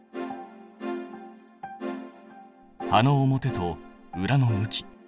葉の表と裏の向き。